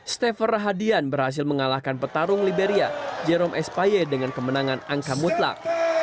steffer hadian berhasil mengalahkan petarung liberia jerome espaye dengan kemenangan angka mutlak